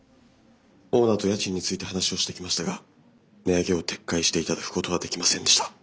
オーナーと家賃について話をしてきましたが値上げを撤回していただくことはできませんでした。